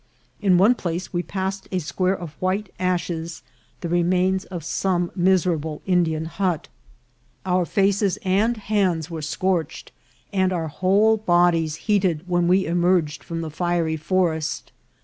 In one place we passed a square of white ashes, the remains of some miserable Indian hut. Our 238 INCIDENTS OP TRAVEL. faces and hands were scorched, and our whole bodies heated when we emerged from the fiery forest.